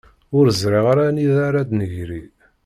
Ur ẓriɣ ara anida ara d-negri.